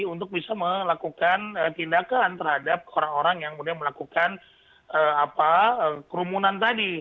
untuk bisa melakukan tindakan terhadap orang orang yang kemudian melakukan kerumunan tadi